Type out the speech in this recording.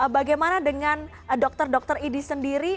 bagaimana dengan dokter dokter idi sendiri